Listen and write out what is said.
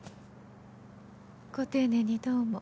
ご丁寧にどうも。